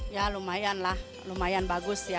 ya lumayan lah lumayan bagus ya